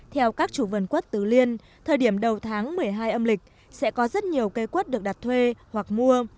theo các chủ vườn quất tứ liên thời điểm đầu tháng một mươi hai âm lịch sẽ có rất nhiều cây quất được đặt thuê hoặc mua